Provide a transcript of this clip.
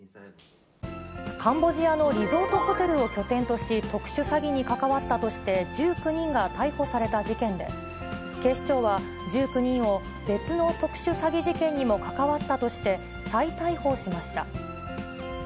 カンボジアのリゾートホテルを拠点とし、特殊詐欺に関わったとして、１９人が逮捕された事件で、警視庁は、１９人を別の特殊詐欺事件にも関わったとして、再逮捕しました。